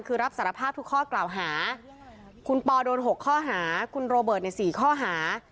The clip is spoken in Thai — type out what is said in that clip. คือรับสารภาพทุกข้อกล่าวหาคุณปอโดน๖ข้อหาคุณโรเบิร์ตใน๔ข้อหา